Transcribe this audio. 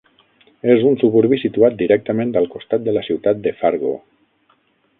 És un suburbi situat directament al costat de la ciutat de Fargo.